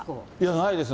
ないです。